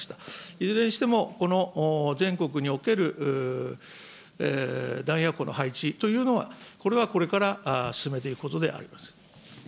いずれにしてもこの全国における弾薬庫の配置というのは、これはこれから進めていくことであります。